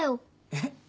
えっ？